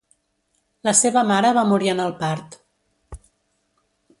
La seva mare va morir en el part.